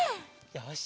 よし！